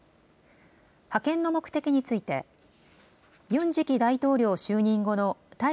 派遣の目的についてユン次期大統領就任後の対